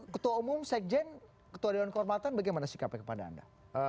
ketua umum sekjen ketua dewan kehormatan bagaimana sikapnya kepada anda